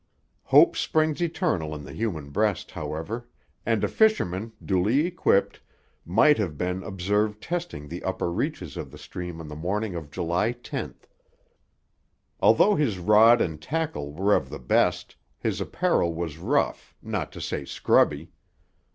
Hope springs eternal in the human breast, however, and a fisherman, duly equipped, might have been observed testing the upper reaches of the stream on the morning of July tenth. Although his rod and tackle were of the best, his apparel was rough, not to say scrubby.